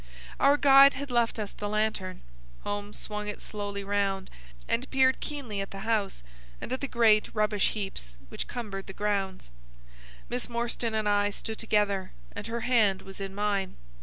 Our guide had left us the lantern. Holmes swung it slowly round, and peered keenly at the house, and at the great rubbish heaps which cumbered the grounds. Miss Morstan and I stood together, and her hand was in mine.